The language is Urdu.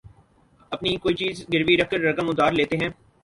اپنی کوئی چیز گروی رکھ کر رقم ادھار لیتے ہیں